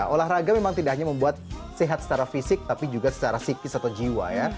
olahraga memang tidak hanya membuat sehat secara fisik tapi juga secara psikis atau jiwa ya